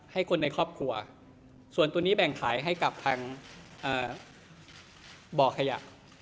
ให้คนในครอบครัวส่วนตัวนี้แบ่งขายให้กับทางบ่อขยะ